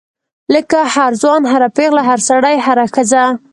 لکه هر ځوان هر پیغله هر سړی هره ښځه.